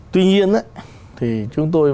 tuy nhiên á thì chúng tôi